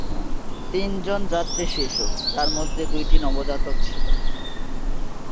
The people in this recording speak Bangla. তিনজন যাত্রী শিশু যার মধ্যে দুইটি নবজাতক ছিল।